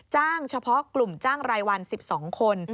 เฉพาะกลุ่มจ้างรายวัน๑๒คน